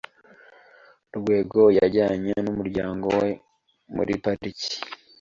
Rwego yajyanye umuryango we muri pariki.